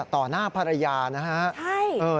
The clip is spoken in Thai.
ต่อหน้าภรรยานะครับใช่